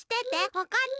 わかった？